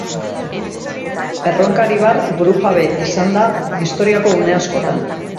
Erronkaribar burujabe izan da historiako une askotan.